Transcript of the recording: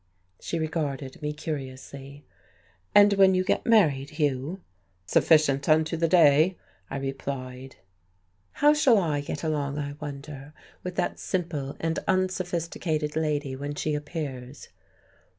She regarded me curiously. "And when you get married, Hugh?" "Sufficient unto the day," I replied. "How shall I get along, I wonder, with that simple and unsophisticated lady when she appears?"